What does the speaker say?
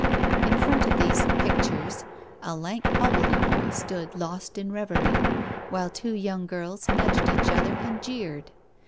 In front of these 'pictures,' a lank hobbledehoy stood lost in reverie, while two young girls nudged each other and jeered.